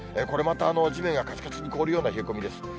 これまた地面ががちがちに凍るような冷え込みです。